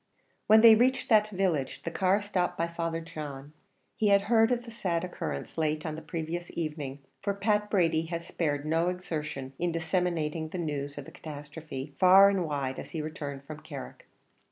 When they reached that village, the car was stopped by Father John. He had heard of the sad occurrence late on the previous evening, for Pat Brady had spared no exertions in disseminating the news of the catastrophe far and wide as he returned from Carrick.